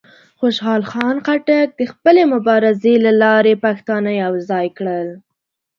خوشحال خان خټک د خپلې مبارزې له لارې پښتانه یوځای کړل.